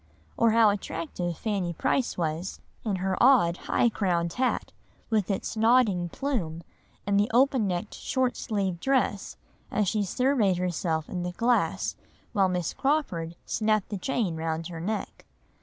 Or how attractive Fanny Price was in her odd high crowned hat, with its nodding plume, and the open necked short sleeved dress, as she surveyed herself in the glass while Miss Crawford snapped the chain round her neck.